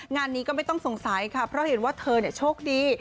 งานนี้ก็ไม่ต้องสงสัยค่ะเพราะเห็นว่าเธอโชคดี